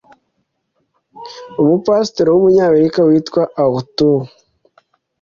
umupasitoro w’umunyamerika witwa arthur